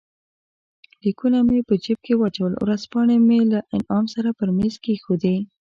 لیکونه مې په جېب کې واچول، ورځپاڼې مې له انعام سره پر مېز کښېښودې.